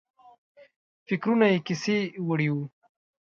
فکرونه یې کیسې وړي وو.